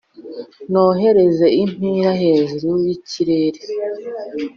nohereze imipira hejuru yikirere.